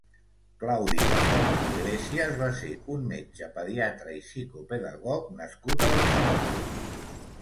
Claudi Bassols i Iglesias va ser un metge pediatre i psicopedagog nascut a Barcelona.